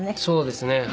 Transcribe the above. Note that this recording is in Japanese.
そうですね。